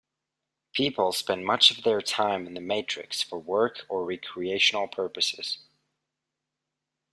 People spend much of their time in the "matrix" for work or recreational purposes.